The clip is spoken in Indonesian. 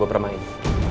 gue gak pernah bilang